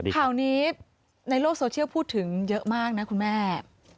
ข่าวนี้ในโลกโซเชียลพูดถึงเยอะมากนะคุณแม่